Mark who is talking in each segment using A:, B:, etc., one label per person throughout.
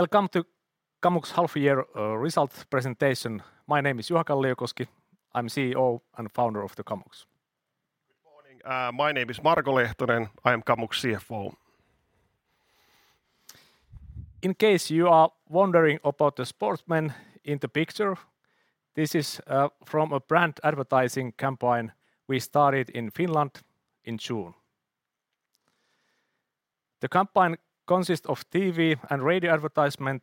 A: Welcome to Kamux half year result presentation. My name is Juha Kalliokoski. I'm CEO and founder of Kamux.
B: Good morning. My name is Marko Lehtonen. I am Kamux CFO.
A: In case you are wondering about the sportsmen in the picture, this is from a brand advertising campaign we started in Finland in June. The campaign consists of TV and radio advertisement,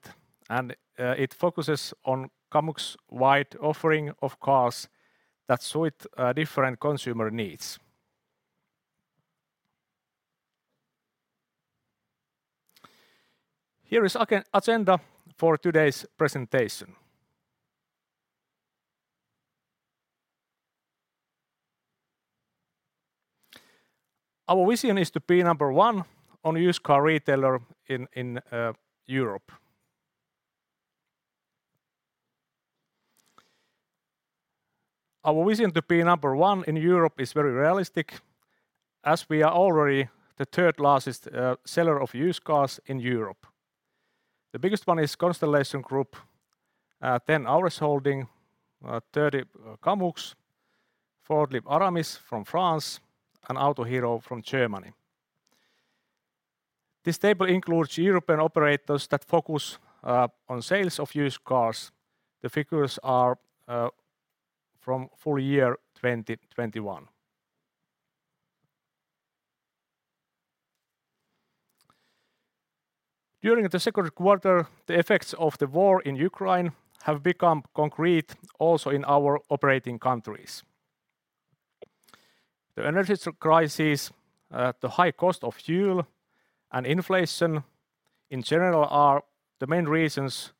A: and it focuses on Kamux wide offering of cars that suit different consumer needs. Here is agenda for today's presentation. Our vision is to be number one on used car retailer in Europe. Our vision to be number one in Europe is very realistic as we are already the third largest seller of used cars in Europe. The biggest one is Constellation Automotive Group, then AURES Holdings, third, Kamux, followed by Aramis Group from France and Autohero from Germany. This table includes European operators that focus on sales of used cars. The figures are from full-year 2021. During the second quarter, the effects of the war in Ukraine have become concrete also in our operating countries. The energy crisis, the high cost of fuel and inflation in general are the main reasons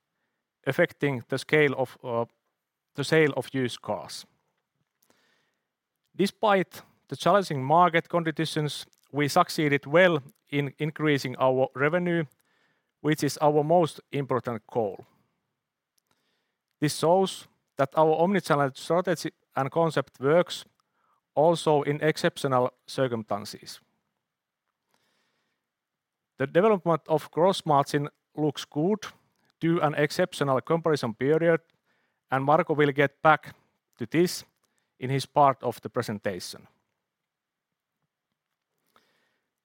A: affecting the scale of, the sale of used cars. Despite the challenging market conditions, we succeeded well in increasing our revenue, which is our most important goal. This shows that our omnichannel strategy and concept works also in exceptional circumstances. The development of gross margin looks good due to an exceptional comparison period, and Marko will get back to this in his part of the presentation.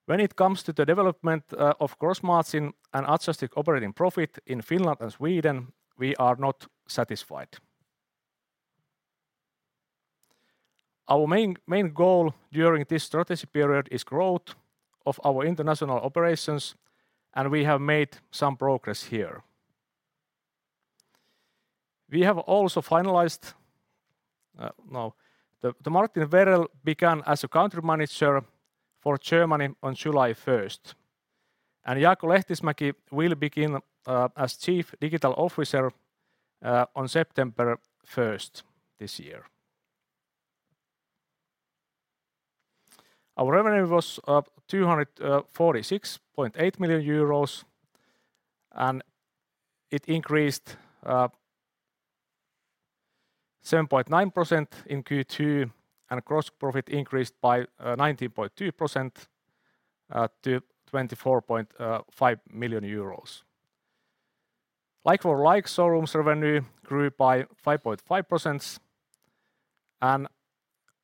A: When it comes to the development, of gross margin and adjusted operating profit in Finland and Sweden, we are not satisfied. Our main goal during this strategy period is growth of our international operations, and we have made some progress here. We have also finalized No. Martin Verlein began as a country manager for Germany on July 1st, and Jarkko Lehtimäki will begin as chief digital officer on September 1st this year. Our revenue was 246.8 million euros, and it increased 7.9% in Q2, and gross profit increased by 19.2% to EUR 24.5 million. Like-for-like showroom revenue grew by 5.5%, and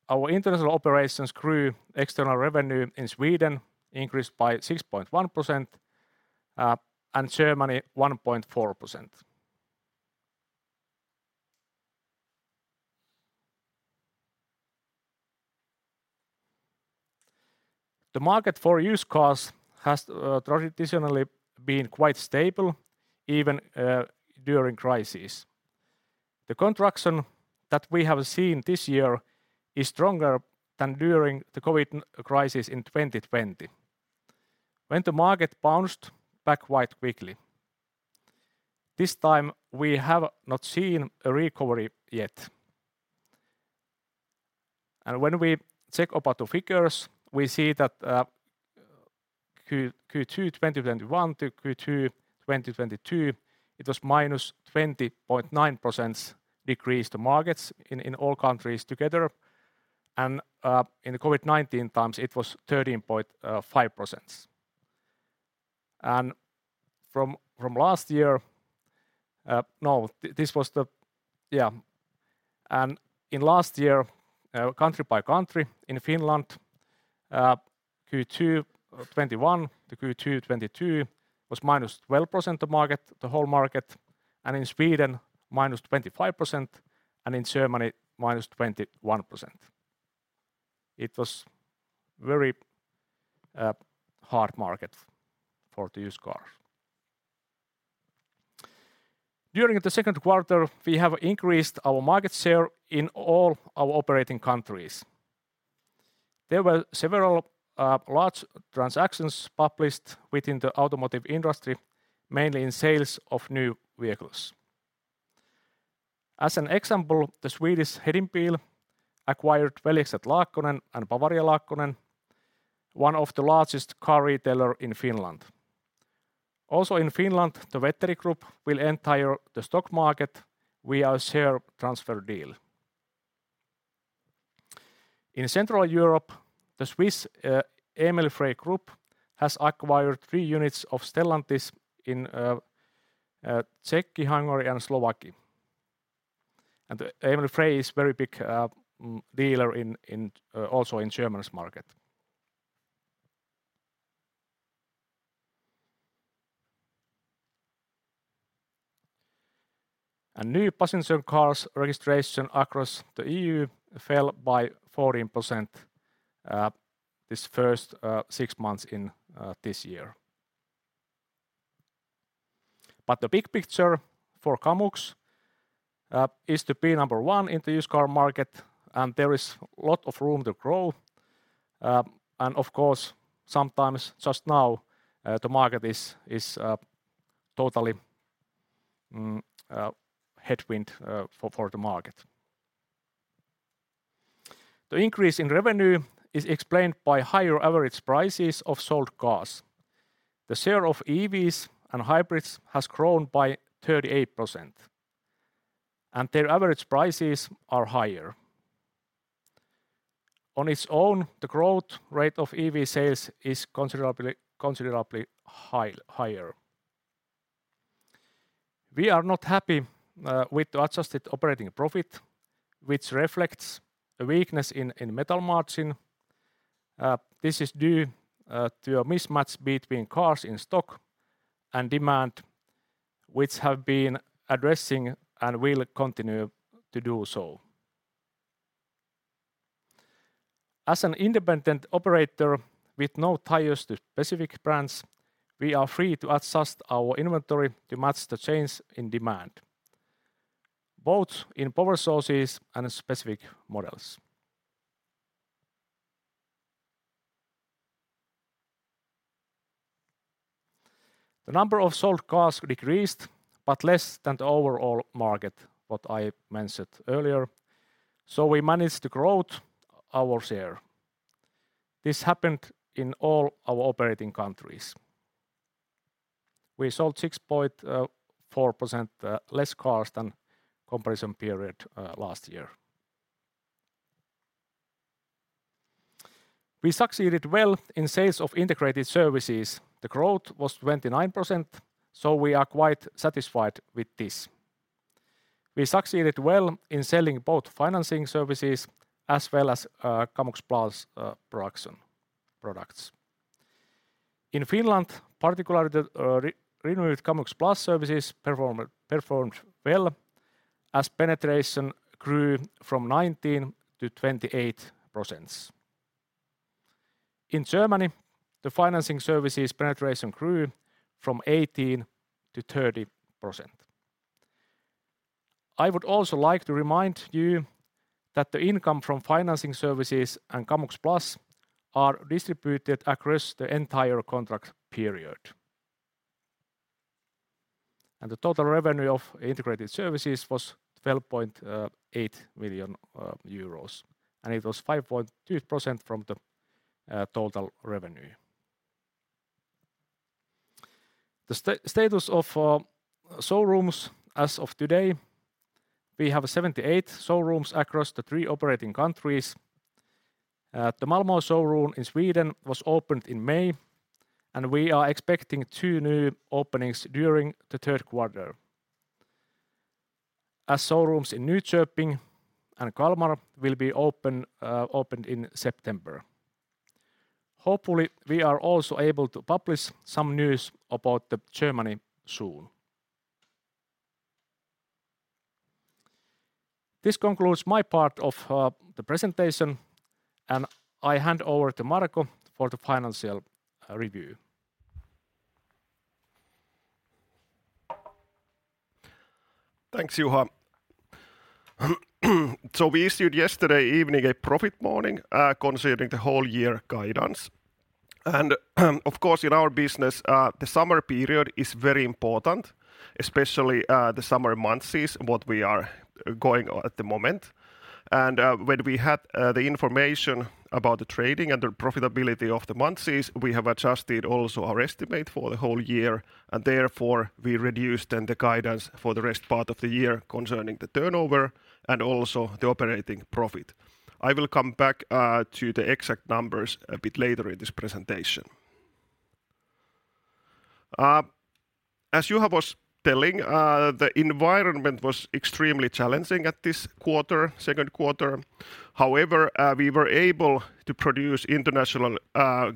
A: our international operations grew external revenue in Sweden increased by 6.1%, and Germany 1.4%. The market for used cars has traditionally been quite stable even during crisis. The contraction that we have seen this year is stronger than during the COVID crisis in 2020 when the market bounced back quite quickly. This time, we have not seen a recovery yet. When we check about the figures, we see that Q2 2021 to Q2 2022, it was a -20.9% decrease in the markets in all countries together and in the COVID-19 times, it was 13.5%. In last year, country by country, in Finland, Q2 2021 to Q2 2022 was -12% in the market, the whole market, and in Sweden, -25%, and in Germany, -21%. It was very hard market for the used cars. During the second quarter, we have increased our market share in all our operating countries. There were several large transactions published within the automotive industry, mainly in sales of new vehicles. As an example, the Swedish Hedin Bil acquired Veljekset Laakkonen and Bavaria Laakkonen, one of the largest car retailer in Finland. Also in Finland, the Wetteri Group will enter the stock market via a share transfer deal. In Central Europe, the Swiss Emil Frey Group has acquired three units of Stellantis in Czech, Hungary, and Slovakia. Emil Frey is very big dealer in also in Germany's market. New passenger cars registration across the EU fell by 14% the first six months of this year. The big picture for Kamux is to be number one in the used car market, and there is lot of room to grow, and of course, sometimes just now, the market is totally headwind for the market. The increase in revenue is explained by higher average prices of sold cars. The share of EVs and hybrids has grown by 38%, and their average prices are higher. On its own, the growth rate of EV sales is considerably higher. We are not happy with the adjusted operating profit, which reflects a weakness in metal margin. This is due to a mismatch between cars in stock and demand, which have been addressing and will continue to do so. As an independent operator with no ties to specific brands, we are free to adjust our inventory to match the change in demand, both in power sources and specific models. The number of sold cars decreased, but less than the overall market, what I mentioned earlier. We managed to grow our share. This happened in all our operating countries. We sold 6.4% less cars than comparison period last year. We succeeded well in sales of intergrated services. The growth was 29%, so we are quite satisfied with this. We succeeded well in selling both financing services as well as Kamux Plus products. In Finland, particularly the renewed Kamux Plus services performed well as penetration grew from 19%-28%. In Germany, the financing services penetration grew from 18%-30%. I would also like to remind you that the income from financing services and Kamux Plus are distributed across the entire contract period. The total revenue of integrated services was 12.8 million euros, and it was 5.2% from the total revenue. The status of showrooms as of today, we have 78 showrooms across the three operating countries. The Malmö showroom in Sweden was opened in May, and we are expecting two new openings during the third quarter as showrooms in Nyköping and Kalmar will be opened in September. Hopefully, we are also able to publish some news about the Germany soon. This concludes my part of the presentation, and I hand over to Marko for the financial review.
B: Thanks, Juha. We issued yesterday evening a profit warning, considering the whole year guidance. Of course, in our business, the summer period is very important, especially, the summer months is what we are going at the moment. When we had the information about the trading and the profitability of the months is we have adjusted also our estimate for the whole year, and therefore, we reduced then the guidance for the rest part of the year concerning the turnover and also the operating profit. I will come back to the exact numbers a bit later in this presentation. As Juha was telling, the environment was extremely challenging at this quarter, second quarter. However, we were able to produce international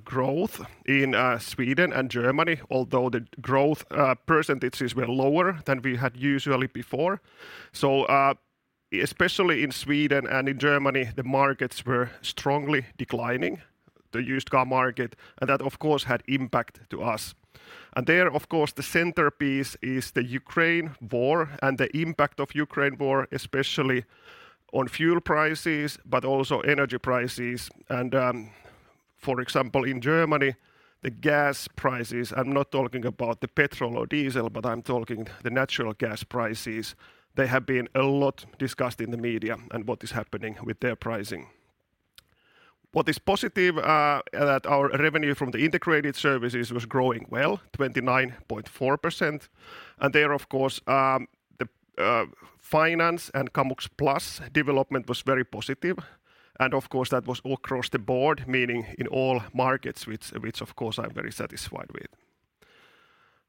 B: growth in Sweden and Germany, although the growth percentages were lower than we had usually before. Especially in Sweden and in Germany, the markets were strongly declining, the used car market, and that of course had impact to us. There, of course, the centerpiece is the Ukraine war and the impact of Ukraine war, especially on fuel prices, but also energy prices. For example, in Germany, the gas prices, I'm not talking about the petrol or diesel, but I'm talking the natural gas prices. They have been a lot discussed in the media and what is happening with their pricing. What is positive that our revenue from the integrated services was growing well, 29.4%. There of course the finance and Kamux Plus development was very positive and of course that was across the board, meaning in all markets which of course I'm very satisfied with.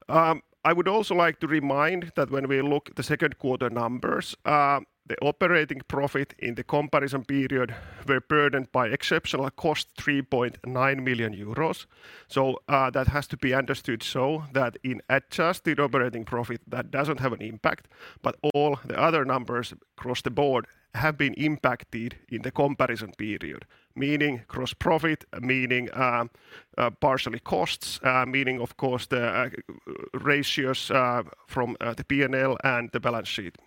B: I would also like to remind that when we look at the second quarter numbers, the operating profit in the comparison period were burdened by exceptional costs, 3.9 million euros. That has to be understood so that in adjusted operating profit that doesn't have an impact. All the other numbers across the board have been impacted in the comparison period, meaning gross profit, meaning operating costs, meaning of course the ratios from the P&L and the balance sheet.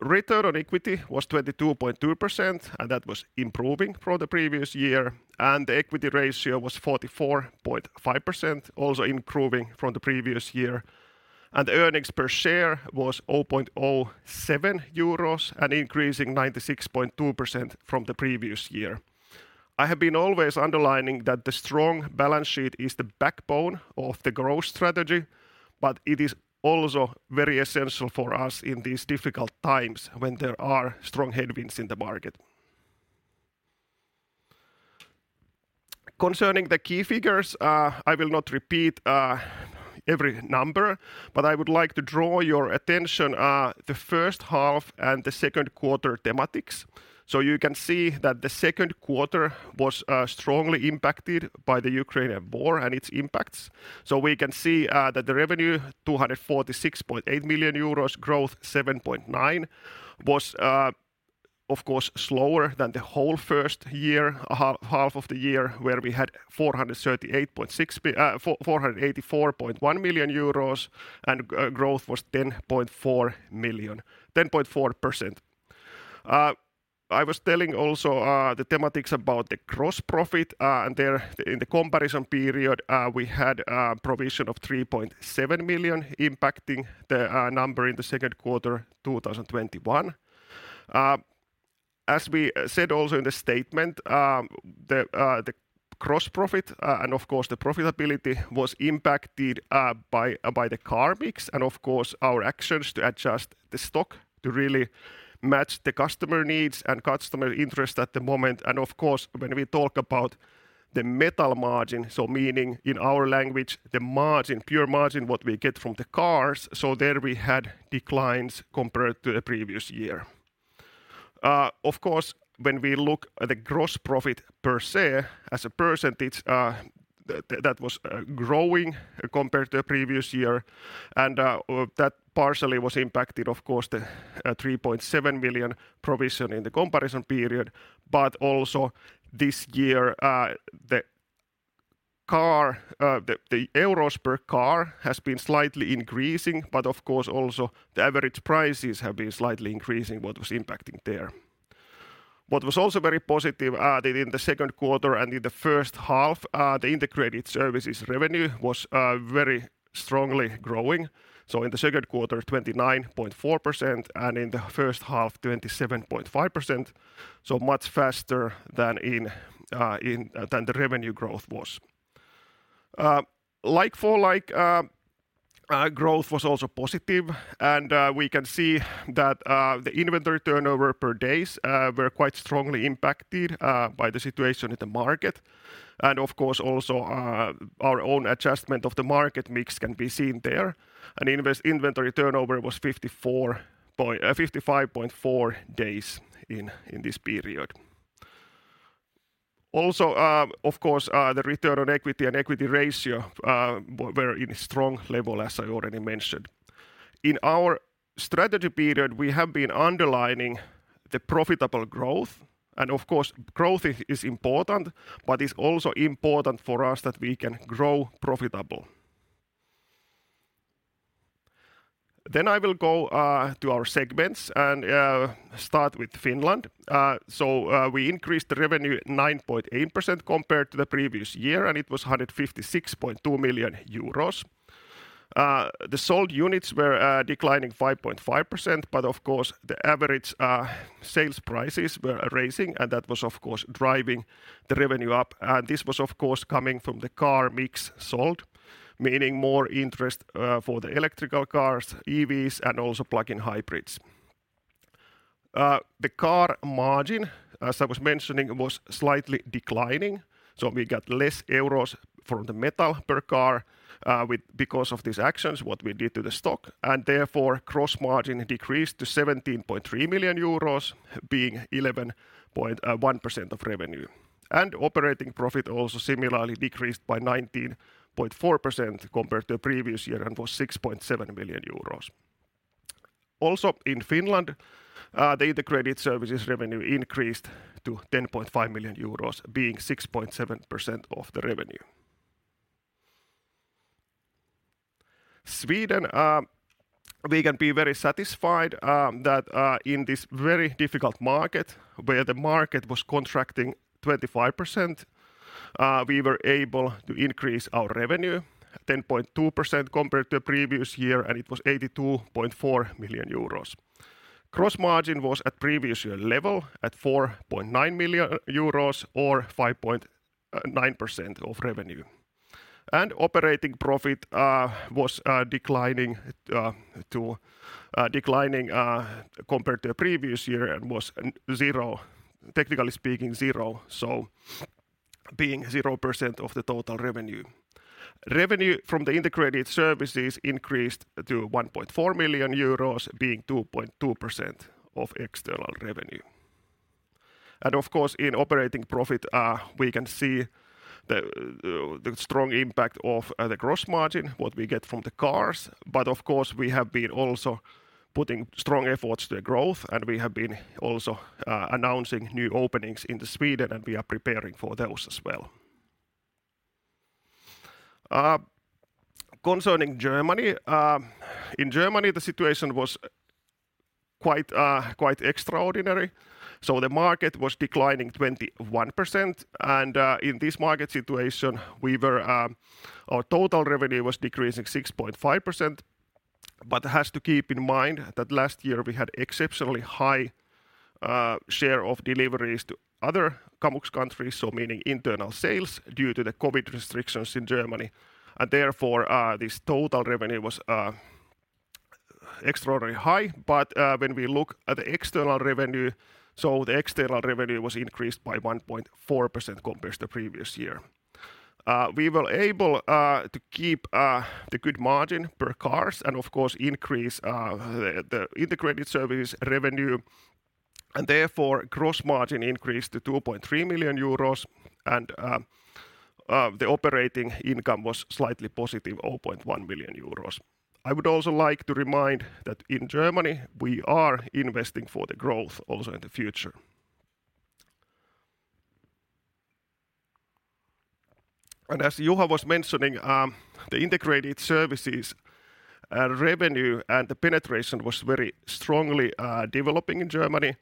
B: Return on equity was 22.2%, and that was improving from the previous year. The equity ratio was 44.5%, also improving from the previous year. Earnings per share was 0.07 euros, and increasingly 96.2% from the previous year. I have been always underlining that the strong balance sheet is the backbone of the growth strategy, but it is also very essential for us in these difficult times when there are strong headwinds in the market. Concerning the key figures, I will not repeat every number, but I would like to draw your attention to the first half and the second quarter metrics. You can see that the second quarter was strongly impacted by the Ukraine war and its impacts. We can see that the revenue, 246.8 million euros, growth 7.9%, was, of course slower than the whole first half of the year where we had 484.1 million euros and growth was 10.4%. I was telling also the thematics about the gross profit, and there in the comparison period, we had a provision of 3.7 million impacting the number in the second quarter 2021. As we said also in the statement, the gross profit and of course the profitability was impacted by the car mix and of course our actions to adjust the stock to really match the customer needs and customer interest at the moment. Of course, when we talk about the metal margin, so meaning in our language, the margin, pure margin, what we get from the cars, so there we had declines compared to the previous year. Of course, when we look at the gross profit per se as a percentage, that was growing compared to the previous year and, well, that partially was impacted, of course, the 3.7 million provision in the comparison period, but also this year, the EUR per car has been slightly increasing. Of course also the average prices have been slightly increasing what was impacting there. What was also very positive, that in the second quarter and in the first half, the integrated services revenue was very strongly growing, so in the second quarter, 29.4% and in the first half, 27.5%, so much faster than in, than the revenue growth was. like-for-like growth was also positive and we can see that the inventory turnover in days were quite strongly impacted by the situation in the market. Of course, also, our own adjustment of the market mix can be seen there. Inventory turnover was 55.4 days in this period. Also, of course, the return on equity and equity ratio were in strong level, as I already mentioned. In our strategy period, we have been underlining the profitable growth. Of course, growth is important, but it's also important for us that we can grow profitable. I will go to our segments and start with Finland. We increased the revenue 9.8% compared to the previous year, and it was 156.2 million euros. The sold units were declining 5.5%, but of course the average sales prices were rising and that was of course driving the revenue up. This was of course coming from the car mix sold, meaning more interest in the electric cars, EVs, and also plug-in hybrids. The car margin, as I was mentioning, was slightly declining, so we got less euros from the metal per car because of these actions, what we did to the stock and therefore gross margin decreased to 17.3 million euros being 11.1% of revenue. Operating profit also similarly decreased by 19.4% compared to the previous year and was 6.7 million euros. Also in Finland, the integrated services revenue increased to 10.5 million euros being 6.7% of the revenue. Sweden, we can be very satisfied that in this very difficult market where the market was contracting 25%, we were able to increase our revenue 10.2% compared to previous year, and it was 82.4 million euros. Gross margin was at previous year level at 4.9 million euros or 5.9% of revenue. Operating profit was declining compared to the previous year and was, technically speaking, zero, so being 0% of the total revenue. Revenue from the integrated services increased to 1.4 million euros being 2.2% of external revenue. Of course, in operating profit, we can see the strong impact of the gross margin, what we get from the cars. Of course, we have been also putting strong efforts to growth, and we have been also announcing new openings into Sweden, and we are preparing for those as well. Concerning Germany. In Germany, the situation was quite extraordinary. The market was declining 21%. In this market situation, our total revenue was decreasing 6.5%, but has to keep in mind that last year we had exceptionally high share of deliveries to other Kamux countries, so meaning internal sales due to the COVID restrictions in Germany. Therefore, this total revenue was extraordinarily high. When we look at the external revenue, the external revenue increased by 1.4% compared to previous year. We were able to keep the good margin per cars and of course increase the integrated services revenue and therefore gross margin increased to 2.3 million euros and the operating income was slightly positive, 0.1 million euros. I would also like to remind that in Germany, we are investing for the growth also in the future. As Juha was mentioning, the integrated services revenue and the penetration was very strongly developing in Germany.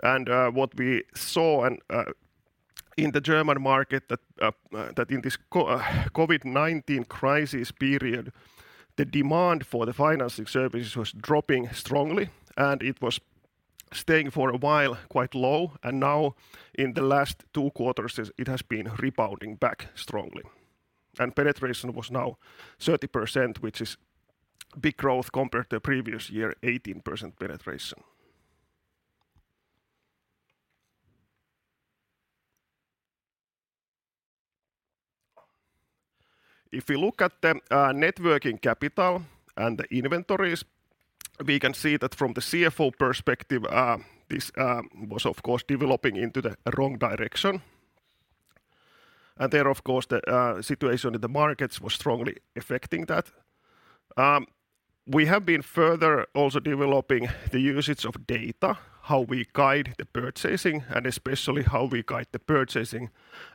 B: What we saw in the German market that in this COVID-19 crisis period, the demand for the financing services was dropping strongly, and it was staying for a while quite low. Now in the last two quarters, it has been rebounding back strongly. Penetration was now 30%, which is big growth compared to previous year, 18% penetration. If you look at the net working capital and the inventories, we can see that from the CFO perspective, this was of course developing into the wrong direction. There of course, the situation in the markets was strongly affecting that. We have been further also developing the usage of data, how we guide the purchasing and especially how we guide the purchasing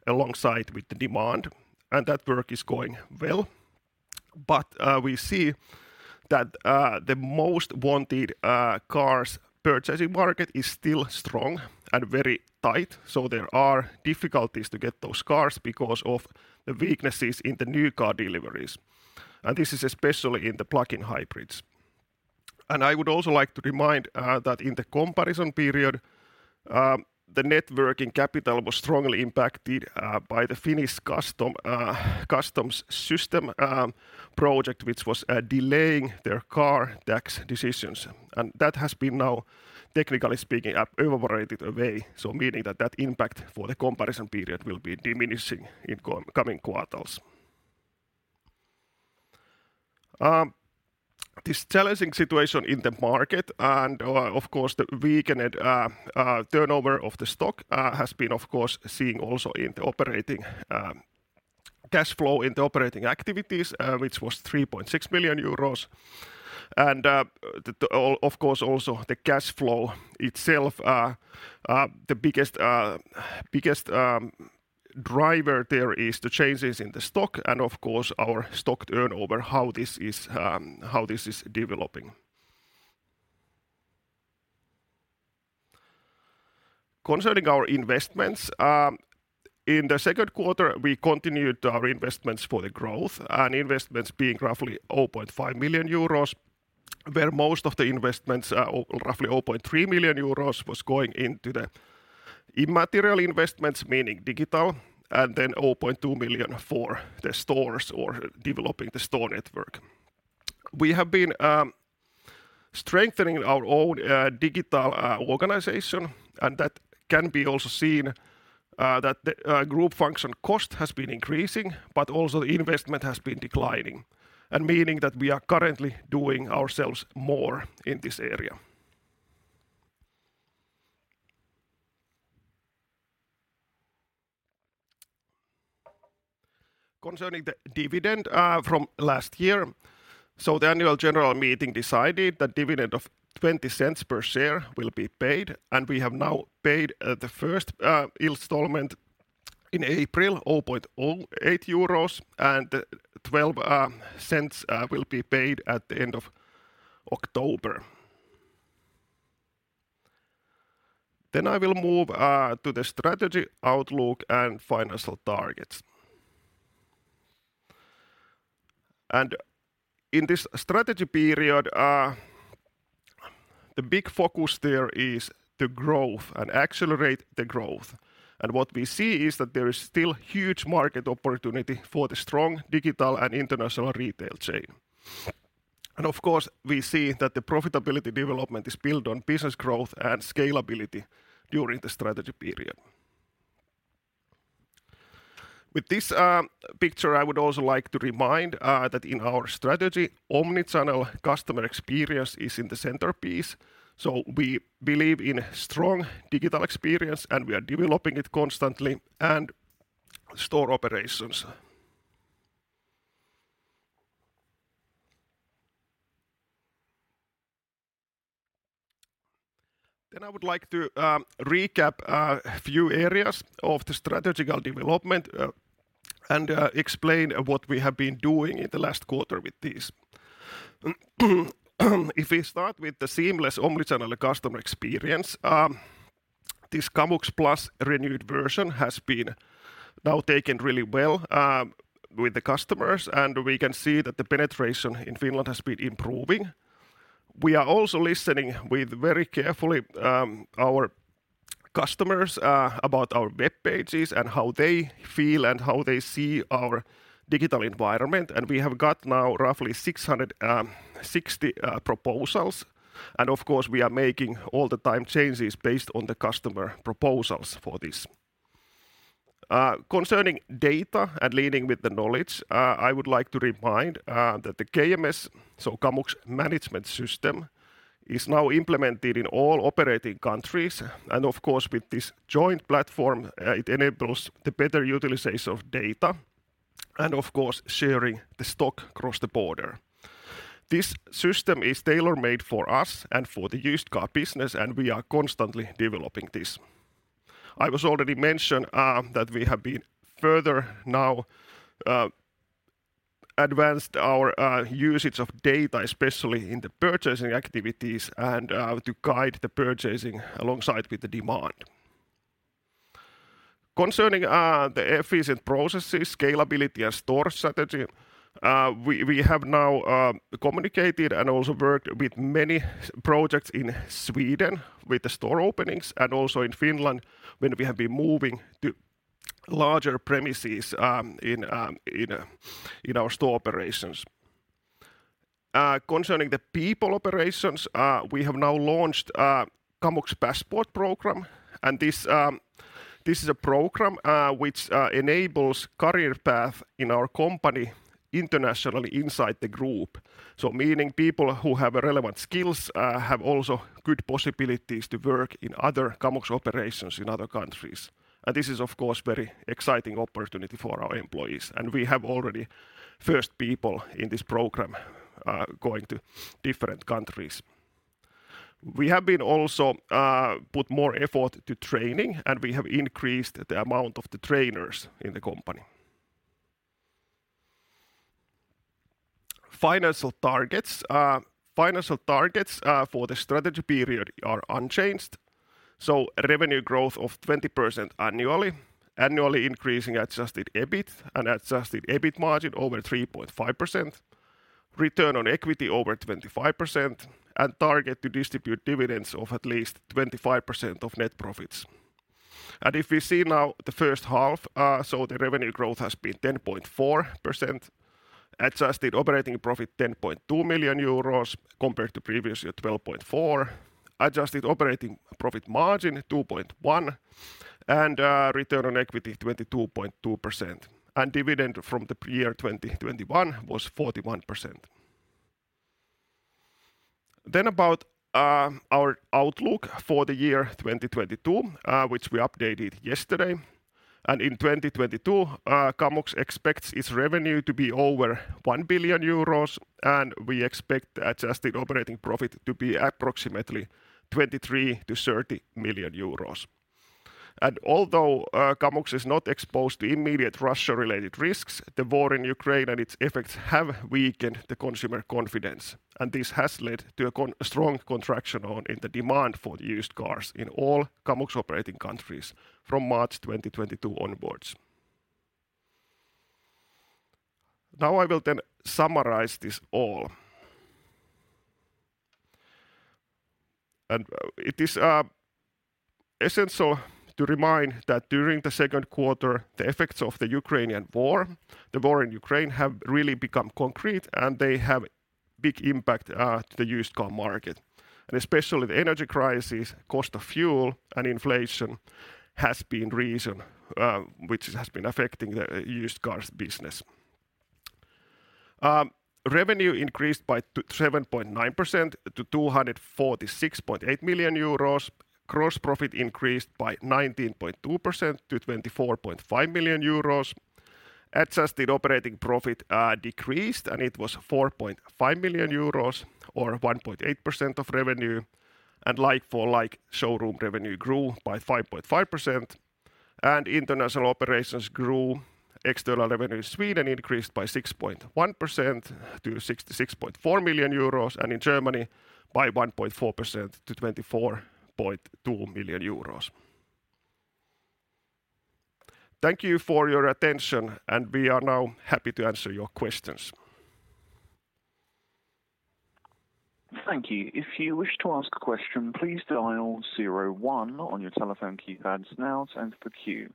B: alongside with the demand. That work is going well. We see that the most wanted cars purchasing market is still strong and very tight. There are difficulties to get those cars because of the weaknesses in the new car deliveries. This is especially in the plug-in hybrids. I would also like to remind that in the comparison period the net working capital was strongly impacted by the Finnish customs system project which was delaying their car tax decisions. That has been now, technically speaking, evaporated away so meaning that that impact for the comparison period will be diminishing in coming quarters. This challenging situation in the market and, of course, the weakened turnover of the stock has been, of course, seen also in the operating cash flow in the operating activities, which was 3.6 million euros. Of course, also the cash flow itself, the biggest driver there is the changes in the stock and, of course, our stock turnover, how this is developing. Concerning our investments, in the second quarter, we continued our investments for the growth and investments being roughly 0.5 million euros, where most of the investments, roughly 0.3 million euros, was going into the immaterial investments, meaning digital, and then 0.2 million for the stores or developing the store network. We have been strengthening our own digital organization, and that can be also seen that the group function cost has been increasing, but also the investment has been declining, and meaning that we are currently doing ourselves more in this area. Concerning the dividend from last year, so the annual general meeting decided that dividend of 0.20 per share will be paid, and we have now paid the first installment in April, 0.08 euros and 0.12 EUR will be paid at the end of October. I will move to the strategy outlook and financial targets. In this strategy period, the big focus there is the growth and accelerate the growth. What we see is that there is still huge market opportunity for the strong digital and international retail chain. Of course, we see that the profitability development is built on business growth and scalability during the strategy period. With this picture, I would also like to remind that in our strategy, omnichannel customer experience is in the centerpiece. We believe in strong digital experience, and we are developing it constantly and store operations. I would like to recap a few areas of the strategic development and explain what we have been doing in the last quarter with this. If we start with the seamless omnichannel customer experience, this Kamux plus renewed version has been now taken really well with the customers, and we can see that the penetration in Finland has been improving. We are also listening very carefully to our customers about our web pages and how they feel and how they see our digital environment. We have got now roughly 660 proposals. Of course, we are making all the time changes based on the customer proposals for this. Concerning data and leading with the knowledge, I would like to remind that the KMS, so Kamux Management System, is now implemented in all operating countries. Of course, with this joint platform, it enables the better utilization of data and of course sharing the stock across the border. This system is tailor-made for us and for the used car business, and we are constantly developing this. I was already mention that we have been further now advanced our usage of data, especially in the purchasing activities and to guide the purchasing alongside with the demand. Concerning the efficient processes, scalability and store strategy, we have now communicated and also worked with many projects in Sweden with the store openings and also in Finland, when we have been moving to larger premises, in our store operations. Concerning the people operations, we have now launched Kamux Passport program, and this is a program which enables career path in our company internationally inside the group. Meaning people who have relevant skills have also good possibilities to work in other Kamux operations in other countries. This is of course very exciting opportunity for our employees. We have already first people in this program going to different countries. We have also put more effort to training, and we have increased the amount of the trainers in the company. Financial targets for the strategy period are unchanged. Revenue growth of 20% annually, increasing adjusted EBIT and adjusted EBIT margin over 3.5%, return on equity over 25%, and target to distribute dividends of at least 25% of net profits. If we see now the first half, the revenue growth has been 10.4%, adjusted operating profit 10.2 million euros compared to previous year 12.4 million, adjusted operating profit margin 2.1%, and return on equity 22.2%. Dividend from the year 2021 was 41%. About our outlook for the year 2022, which we updated yesterday. In 2022, Kamux expects its revenue to be over 1 billion euros, and we expect adjusted operating profit to be approximately 23-30 million euros. Although Kamux is not exposed to immediate Russia-related risks, the war in Ukraine and its effects have weakened the consumer confidence, and this has led to a strong contraction in the demand for used cars in all Kamux operating countries from March 2022 onwards. Now I will then summarize this all. It is essential to remind that during the second quarter, the effects of the Ukrainian war, the war in Ukraine, have really become concrete, and they have big impact to the used car market. Especially the energy crisis, cost of fuel, and inflation has been reason which has been affecting the used cars business. Revenue increased by 7.9% to 246.8 million euros. Gross profit increased by 19.2% to 24.5 million euros. Adjusted operating profit decreased, and it was 4.5 million euros or 1.8% of revenue. Like-for-like showroom revenue grew by 5.5%. International operations grew. External revenue in Sweden increased by 6.1% to 66.4 million euros, and in Germany by 1.4% to 24.2 million euros. Thank you for your attention, and we are now happy to answer your questions.
C: Thank you. If you wish to ask a question, please dial zero-one on your telephone keypads now to enter the queue.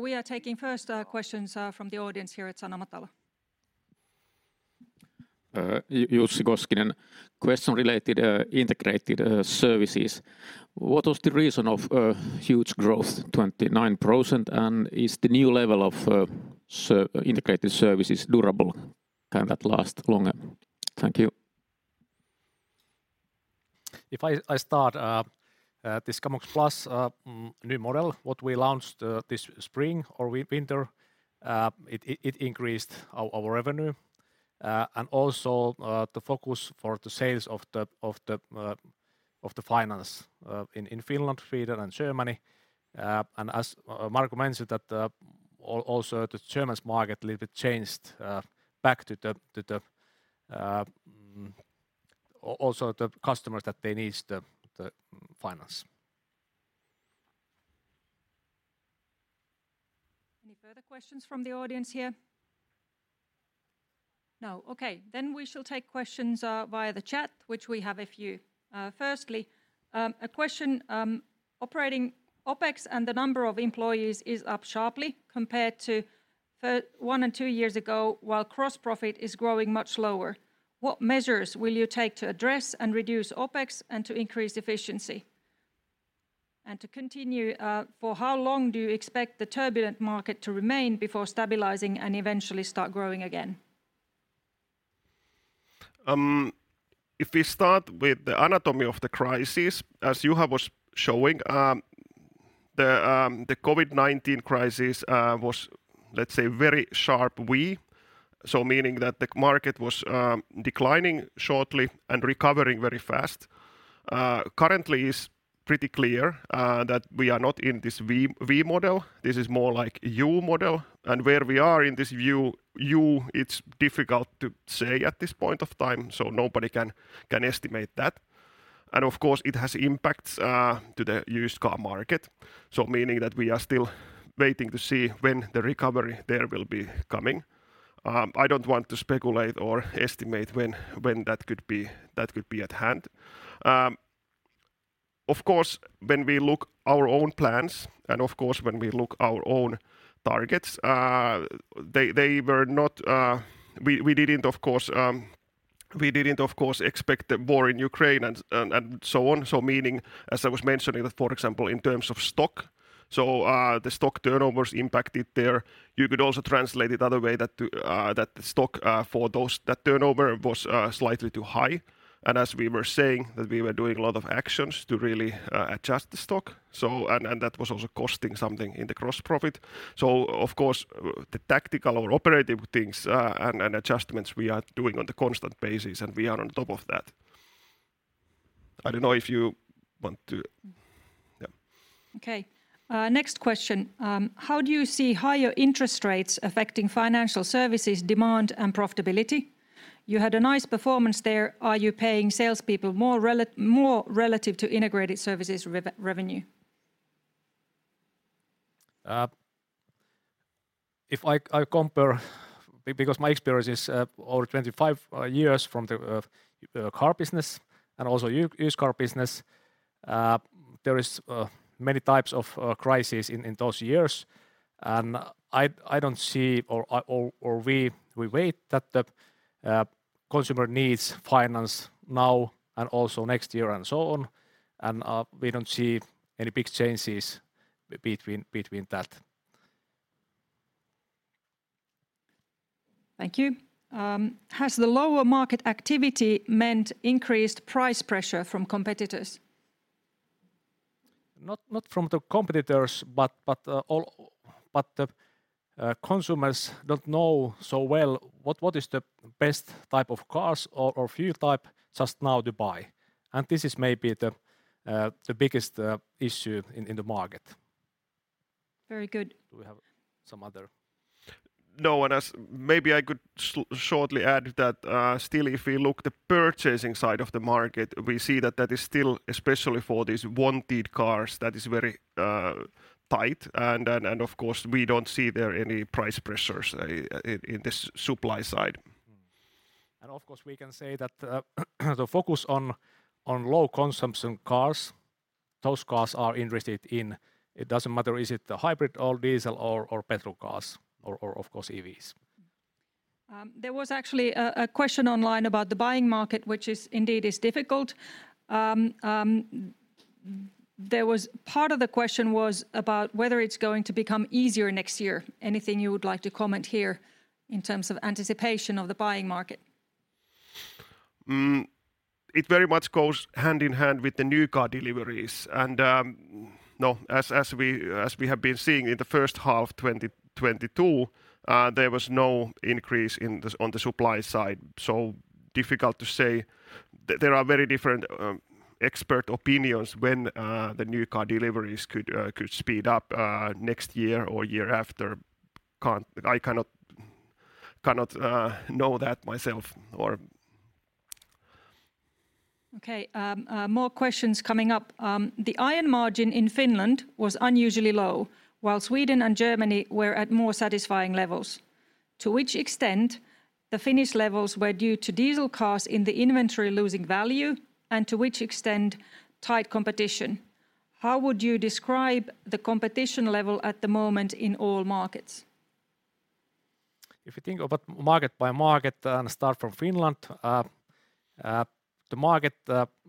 D: We are taking first questions from the audience here at Sanomatalo.
E: Jussi Koskinen. Question related, integrated services. What was the reason of huge growth, 29%? Is the new level of integrated services durable? Can that last longer? Thank you.
A: If I start this Kamux plus new model what we launched this spring or winter, it increased our revenue and also the focus for the sales of the finance in Finland, Sweden, and Germany. As Marko mentioned that also the German market little bit changed back to the also the customers that they needs the finance.
D: Any further questions from the audience here? No. Okay, then we shall take questions via the chat, which we have a few. Firstly, a question, operating OpEx and the number of employees is up sharply compared to one and two years ago, while gross profit is growing much lower. What measures will you take to address and reduce OpEx and to increase efficiency? For how long do you expect the turbulent market to remain before stabilizing and eventually start growing again?
B: If we start with the anatomy of the crisis, as Juha was showing, the COVID-19 crisis was, let's say, very sharp V, so meaning that the market was declining shortly and recovering very fast. Currently is pretty clear that we are not in this V model. This is more like U model, and where we are in this U, it's difficult to say at this point of time, so nobody can estimate that. Of course, it has impacts to the used car market, so meaning that we are still waiting to see when the recovery there will be coming. I don't want to speculate or estimate when that could be at hand. Of course, when we look our own plans, and of course, when we look our own targets, they were not. We didn't, of course, expect the war in Ukraine and so on, so meaning, as I was mentioning that, for example, in terms of stock, so the stock turnovers impacted there. You could also translate it other way that the stock for those that turnover was slightly too high. As we were saying, that we were doing a lot of actions to really adjust the stock, so and that was also costing something in the gross profit. Of course, the tactical or operative things and adjustments we are doing on the constant basis, and we are on top of that. Yeah.
D: Okay. Next question. How do you see higher interest rates affecting financial services demand and profitability? You had a nice performance there. Are you paying salespeople more relative to integrated services revenue?
A: If I compare because my experience is over 25 years in the car business and also used car business, there is many types of crisis in those years, and I don't see or we expect that the consumer needs financing now and also next year and so on, and we don't see any big changes between that.
D: Thank you. Has the lower market activity meant increased price pressure from competitors?
A: Not from the competitors, but the consumers don't know so well what is the best type of cars or fuel type just now to buy, and this is maybe the biggest issue in the market.
D: Very good.
A: Do we have some other?
B: No. Maybe I could shortly add that. Still, if we look at the purchasing side of the market, we see that is still especially for these wanted cars that is very tight and, of course, we don't see there any price pressures in the supply side.
A: Of course, we can say that the focus on low consumption cars, those cars are interesting. It doesn't matter if it's a hybrid or diesel or petrol cars or of course EVs.
D: There was actually a question online about the buying market, which is indeed difficult. Part of the question was about whether it's going to become easier next year. Anything you would like to comment here in terms of anticipation of the buying market?
B: It very much goes hand in hand with the new car deliveries, and No, as we have been seeing in the first half 2022, there was no increase on the supply side. Difficult to say. There are very different expert opinions when the new car deliveries could speed up next year or year after. I cannot know that myself or.
D: The metal margin in Finland was unusually low while Sweden and Germany were at more satisfying levels. To which extent the Finnish levels were due to diesel cars in the inventory losing value, and to which extent tight competition? How would you describe the competition level at the moment in all markets?
A: If you think about market by market and start from Finland, the market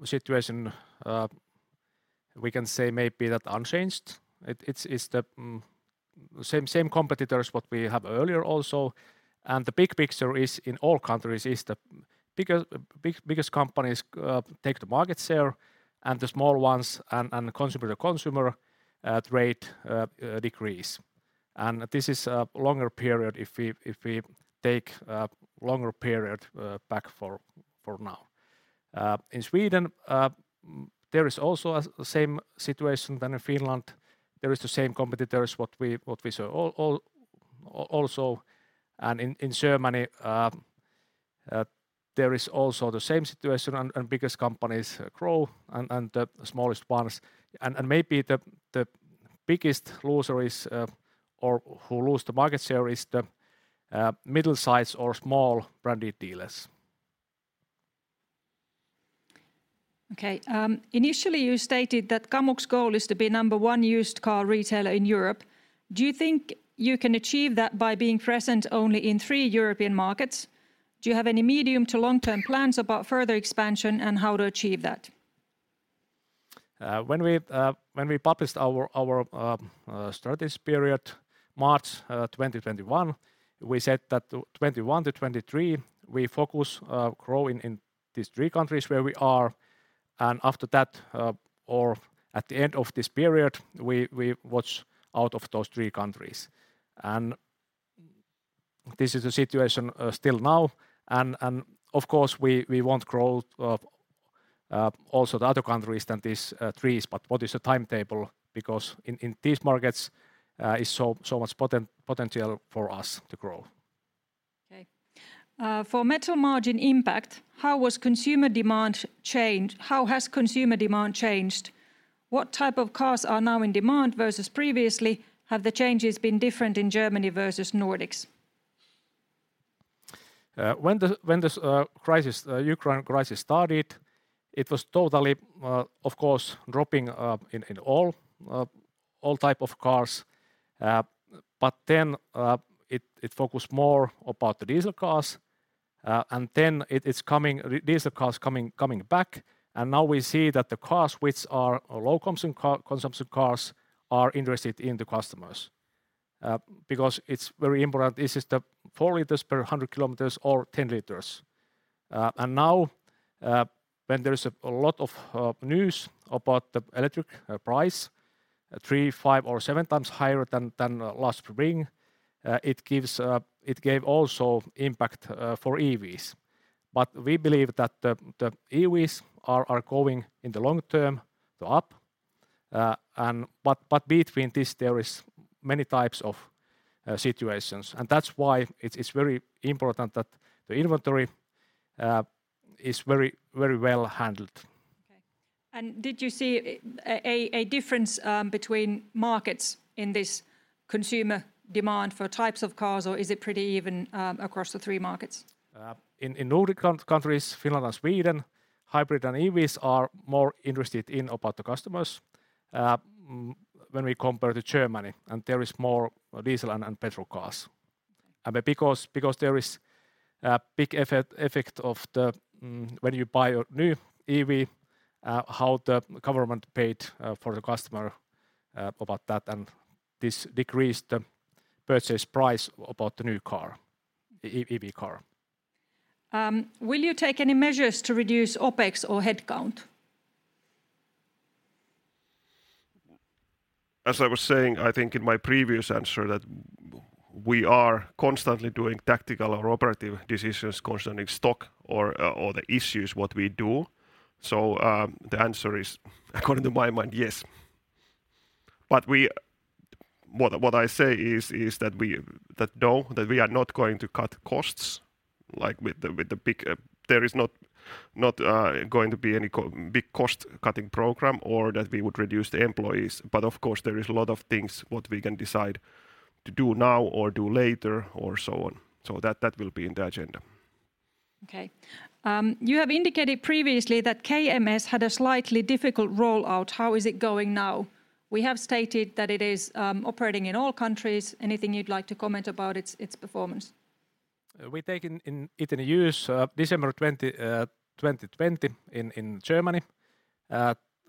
A: situation, we can say maybe it's unchanged. It's the same competitors that we have earlier also. The big picture in all countries is the biggest companies take the market share, and the small ones and consumer-to-consumer trade decrease. This is a longer period if we take a longer period back, for now. In Sweden, there is also the same situation as in Finland. There is the same competitors that we saw also. In Germany, there is also the same situation and biggest companies grow, and the smallest ones. Maybe the biggest loser is or who lose the market share is the middle size or small branded dealers.
D: Okay. Initially you stated that Kamux goal is to be number one used car retailer in Europe. Do you think you can achieve that by being present only in three European markets? Do you have any medium to long-term plans about further expansion and how to achieve that?
A: When we published our strategies period March 2021, we said that 2021 -2023, we focus growing in these three countries where we are, and after that, or at the end of this period, we watch out of those three countries. This is the situation still now. Of course we want growth also the other countries than these three, but what is the timetable? Because in these markets is so much potential for us to grow.
D: Okay, for metal margin impact, how has consumer demand changed? What type of cars are now in demand versus previously? Have the changes been different in Germany versus Nordics?
A: When this Ukraine crisis started, it was totally dropping in all types of cars. Then it focused more about the diesel cars, and then diesel cars are coming back. Now we see that the cars which are low consumption cars interest the customers, because it's very important. This is 4L per 10km or 10L. Now when there is a lot of news about the electricity price, 3x, 5x or 7x higher than last spring, it gave also impact for EVs. We believe that the EVs are going up in the long-term. between this, there is many types of situations. That's why it's very important that the inventory is very well handled.
D: Okay. Did you see a difference between markets in this consumer demand for types of cars, or is it pretty even across the three markets?
A: In Nordic countries, Finland and Sweden, customers are more interested in hybrids and EVs when we compare to Germany, and there is more diesel and petrol cars. Because there is a big effect of the when you buy a new EV, the government aid for the customer about that, and this decreased the purchase price of the new EV car.
D: Will you take any measures to reduce OpEx or headcount?
B: As I was saying, I think in my previous answer that we are constantly doing tactical or operative decisions concerning stock or the issues what we do. The answer is, according to my mind, yes. What I say is that we are not going to cut costs like with the big. There is not going to be any big cost-cutting program or that we would reduce the employees. Of course, there is a lot of things what we can decide to do now or do later or so on. That will be in the agenda.
D: Okay. You have indicated previously that KMS had a slightly difficult rollout. How is it going now? We have stated that it is operating in all countries. Anything you'd like to comment about its performance?
A: We take it in use December 2020 in Germany,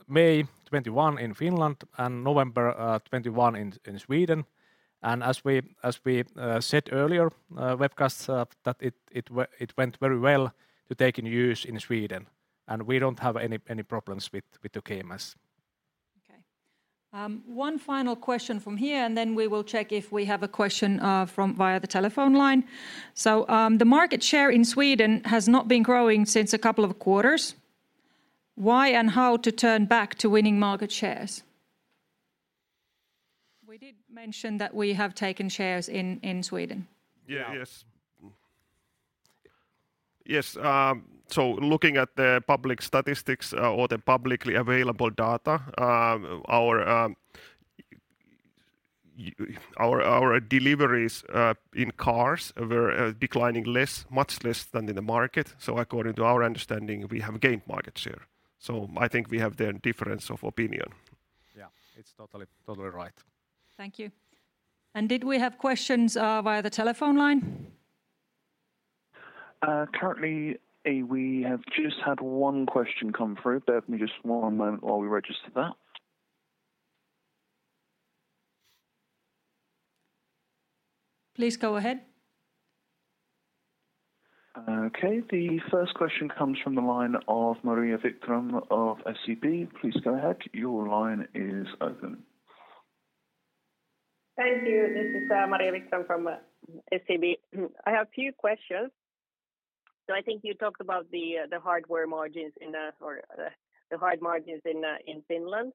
A: May 2021 in Finland, and November 2021 in Sweden. As we said earlier in the webcast that it went very well to take in use in Sweden, and we don't have any problems with the KMS.
D: One final question from here, and then we will check if we have a question from the telephone line. The market share in Sweden has not been growing since a couple of quarters. Why and how to turn back to winning market shares? We did mention that we have taken shares in Sweden.
A: Yeah.
B: Yes. Yes. Looking at the public statistics or the publicly available data, our deliveries in cars were declining less, much less than in the market. I think we have there a difference of opinion.
A: Yeah. It's totally right.
D: Thank you. Did we have questions via the telephone line?
C: Currently, we have just had one question come through. Bear with me just one moment while we register that.
D: Please go ahead.
C: Okay. The first question comes from the line of Maria Wikström of SEB. Please go ahead. Your line is open.
F: Thank you. This is Maria Wikstrom from SEB. I have a few questions. I think you talked about the metal margins in Finland.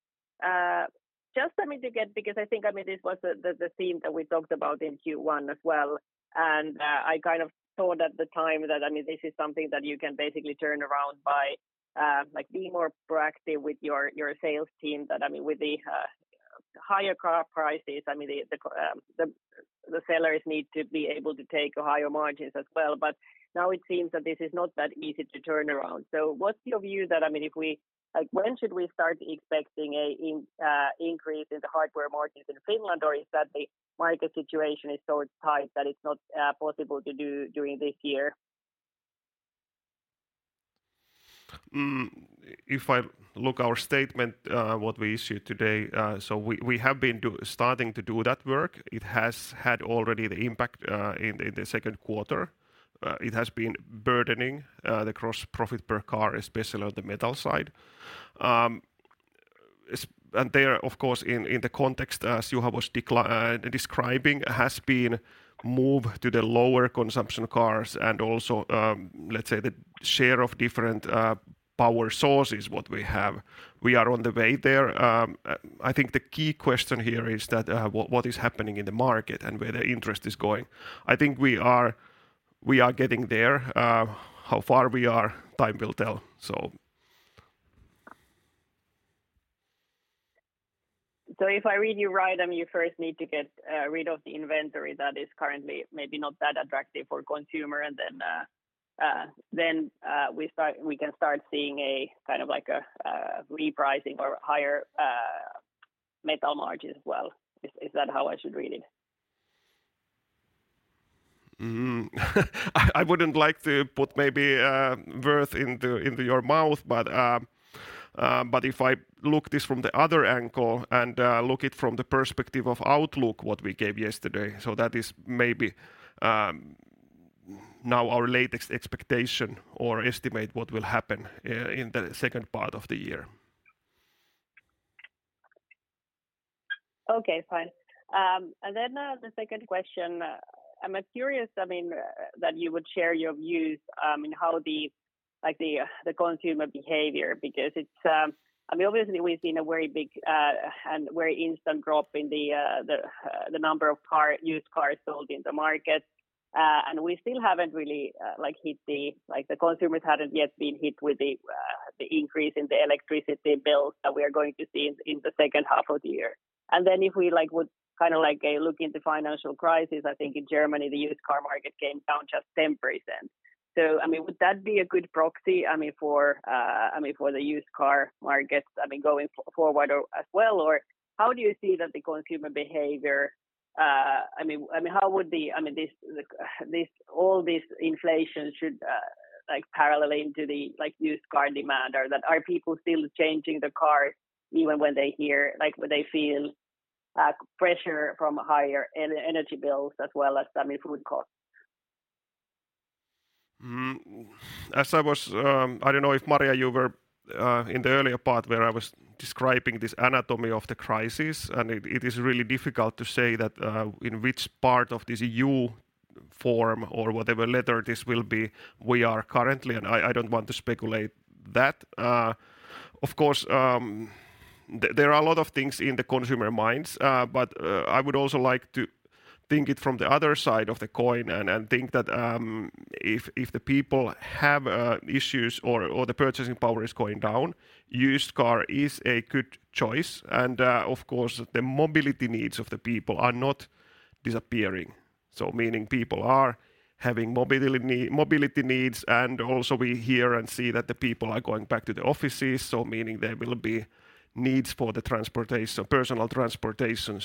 F: Just for me to get because I think, I mean, this was the theme that we talked about in Q1 as well, and I kind of thought at the time that, I mean, this is something that you can basically turn around by like being more proactive with your sales team that, I mean, with the higher car prices, I mean, the sellers need to be able to take higher margins as well. Now it seems that this is not that easy to turn around. What's your view that, I mean, if we... Like, when should we start expecting an increase in the hardware margins in Finland, or is that the market situation is so tight that it's not possible to do during this year?
B: If I look our statement, what we issued today, we have been starting to do that work. It has had already the impact in the second quarter. It has been burdening the gross profit per car, especially on the metal side. And there, of course, in the context as Juha was describing has been move to the lower consumption cars and also, let's say, the share of different power sources what we have. We are on the way there. I think the key question here is that what is happening in the market and where the interest is going. I think we are getting there. How far we are, time will tell.
F: If I read you right, I mean, you first need to get rid of the inventory that is currently maybe not that attractive for consumer, and then we can start seeing a kind of like a repricing or higher metal margin as well. Is that how I should read it?
B: I wouldn't like to put words in your mouth, but if I look at this from the other angle and look at it from the perspective of outlook what we gave yesterday, so that is maybe now our latest expectation or estimate what will happen in the second part of the year.
F: Okay, fine. The second question, I'm curious. I mean, that you would share your views in how the consumer behavior because it's, I mean, obviously we've seen a very big and very instant drop in the number of used cars sold in the market. We still haven't really hit the consumers yet with the increase in the electricity bills that we are going to see in the second half of the year. Then if we would kind of like look into financial crisis, I think in Germany, the used car market came down just 10%. I mean, would that be a good proxy, I mean, for the used car markets, I mean, going forward as well? How do you see the consumer behavior? I mean, how would this, like, all this inflation should, like, parallel into the, like, used car demand or are people still changing the car even when they feel, like, pressure from higher energy bills as well as, I mean, food costs?
A: As I was, I don't know if, Maria, you were in the earlier part where I was describing this anatomy of the crisis, and it is really difficult to say that, in which part of this U form or whatever letter this will be we are currently, and I don't want to speculate that. Of course, there are a lot of things in the consumer minds, but I would also like to think it from the other side of the coin and think that, if the people have issues or the purchasing power is going down, used car is a good choice. Of course, the mobility needs of the people are not disappearing. Meaning people are having mobility needs, and also we hear and see that the people are going back to the offices, so meaning there will be needs for the transportation, personal transportation.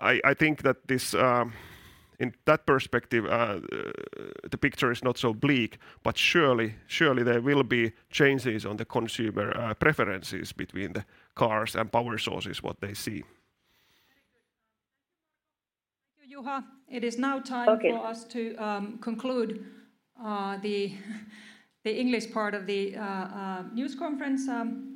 A: I think that this, in that perspective, the picture is not so bleak. Surely there will be changes on the consumer preferences between the cars and power sources what they see.
D: Very good. Thank you, Juha. It is now time.
A: Okay
D: For us to conclude the English part of the news conference.